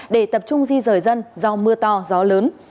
để tập trung di rời dân do mưa to gió lớn